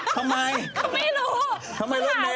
เขาไม่รู้